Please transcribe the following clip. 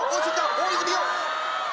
大泉洋